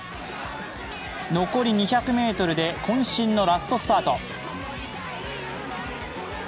残り２００ｍでこん身のラストスパート。